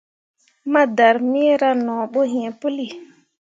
Ma darmeera no bo iŋ puli.